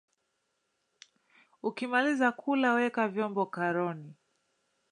Ukimaliza kula weka vyombo karoni